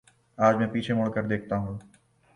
آج میں پیچھے مڑ کر دیکھتا ہوں۔